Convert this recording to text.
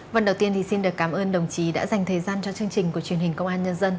vần đầu tiên thì xin được cảm ơn đồng chí đã dành thời gian cho chương trình của truyền hình công an nhân dân